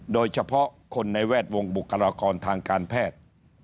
โดยเฉพาะคนในแวดวงบุคลากรทางการแพทย์